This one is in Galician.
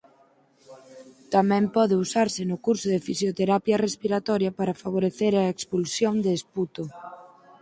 Tamén pode usarse no curso da fisioterapia respiratoria para favorecer a expulsión de esputo.